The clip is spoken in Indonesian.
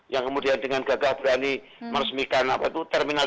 yang kemudian dengan gagah berani meresmikan apa itu terminal tiga